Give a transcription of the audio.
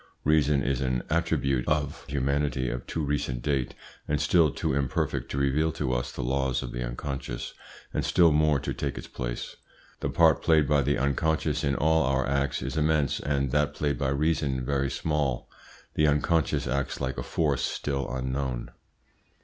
Reason is an attribute of humanity of too recent date and still too imperfect to reveal to us the laws of the unconscious, and still more to take its place. The part played by the unconscious in all our acts is immense, and that played by reason very small. The unconscious acts like a force still unknown.